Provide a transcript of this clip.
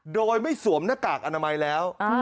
โดยไม่สวมหน้ากากอนามัยแล้ว